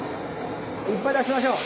いっぱい出しましょう。